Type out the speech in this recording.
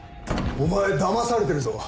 お前騙されてるぞ。